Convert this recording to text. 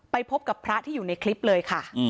พบกับพระที่อยู่ในคลิปเลยค่ะ